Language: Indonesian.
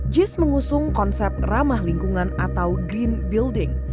jis mengusung konsep ramah lingkungan atau green building